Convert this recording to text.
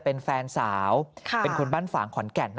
เพราะถ้าหากว่าดูไม่ชอบมาพากลแล้ว